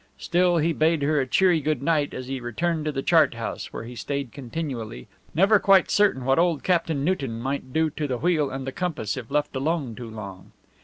Still, he bade her a cheery good night as he returned to the chart house, where he stayed continually, never quite certain what old Captain Newton might do to the wheel and the compass if left alone too long.